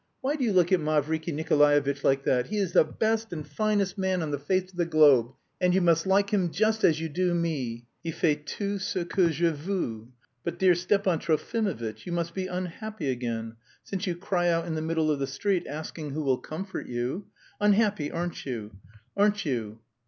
Why do you look at Mavriky Nikolaevitch like that? He is the best and finest man on the face of the globe and you must like him just as you do me! Il fait tout ce que je veux. But, dear Stepan Trofimovitch, you must be unhappy again, since you cry out in the middle of the street asking who will comfort you. Unhappy, aren't you? Aren't you?"